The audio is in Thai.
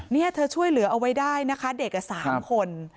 นี่เธอช่วยเหลือเอาไว้ได้นะคะเด็ก๓คน